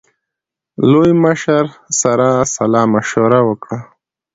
لوی مشر سره سلا مشوره وکړه.